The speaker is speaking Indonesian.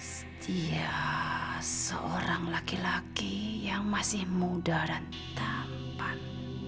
setia seorang laki laki yang masih muda dan tampan